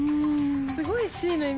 すごい。